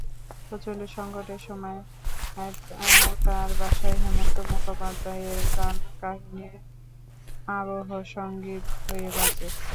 প্রচণ্ড সংকটের সময়ও তাঁর বাসায় হেমন্ত মুখোপাধ্যায়ের গান কাহিনির আবহসংগীত হয়ে বাজে।